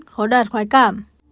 khó đạt khoái cảm